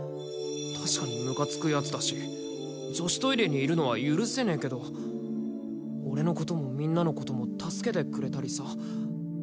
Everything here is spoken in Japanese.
確かにむかつくヤツだし女子トイレにいるのは許せねえけど俺のこともみんなのことも助けてくれたりさ